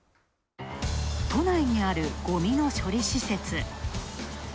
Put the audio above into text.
都内にあるゴミの処理施設。